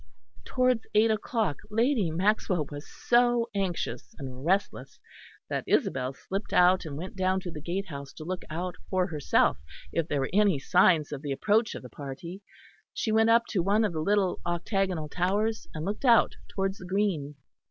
Towards eight o'clock Lady Maxwell was so anxious and restless that Isabel slipped out and went down to the gatehouse to look out for herself if there were any signs of the approach of the party. She went up to one of the little octagonal towers, and looked out towards the green.